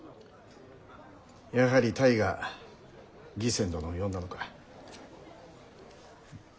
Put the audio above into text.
やはり泰が義仙殿を呼んだのか？